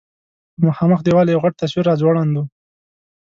په مخامخ دېوال یو غټ تصویر راځوړند و.